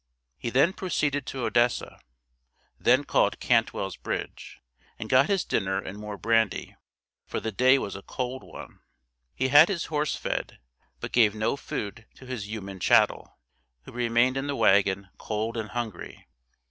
He then proceeded to Odessa, then called Cantwell's Bridge, and got his dinner and more brandy, for the day was a cold one. He had his horse fed, but gave no food to his human chattel, who remained in the wagon cold and hungry.